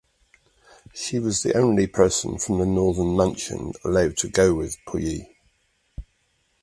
She was the only person from the Northern Mansion allowed to go with Puyi.